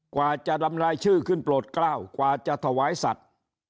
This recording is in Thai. กว่าจะดำรายชื่อขึ้นโปรดกล้าวกว่าจะถวายสัตว์